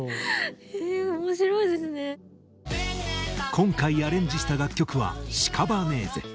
今回アレンジした楽曲は「シカバネーゼ」。